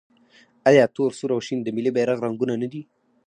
آیا تور، سور او شین د ملي بیرغ رنګونه نه دي؟